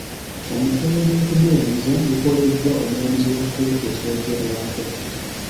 Omukolo gw’okumulayiza gukoleddwa omulamuzi wa kkooti esookerwako .